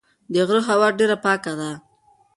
د غره هوا ډېره پاکه ده.